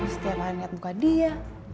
setiap malem liat muka dia